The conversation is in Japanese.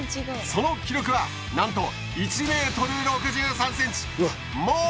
その記録はなんと１ｍ６３ｃｍ！